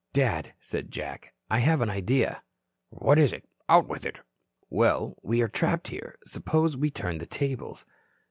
"Dad," said Jack, "I have an idea." "What is it? Out with it." "Well, we are trapped here. Suppose we turn the tables."